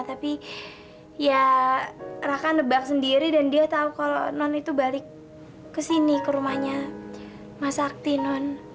tapi ya rakan nebak sendiri dan dia tahu kalau non itu balik ke sini ke rumahnya mas akti non